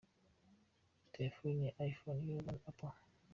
Telefoni ya iPhone y’uruganda Apple Inc.